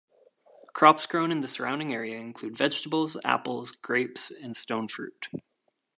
Crops grown in the surrounding area include vegetables, apples, grapes and stone fruit.